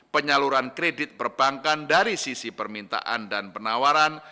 penyaluran kredit perbankan dari sisi permintaan dan penawaran